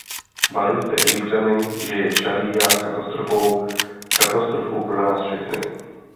Varujte Egypťany, že je šaría katastrofou, katastrofou pro nás všechny.